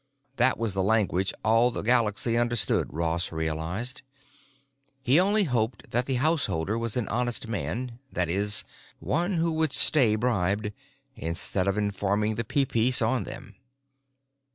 That was the language all the galaxy understood, Ross realized; he only hoped that the householder was an honest man—i. e., one who would stay bribed, instead of informing the Peepeece on them.